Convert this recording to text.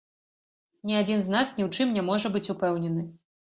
Ні адзін з нас ні ў чым не можа быць упэўнены.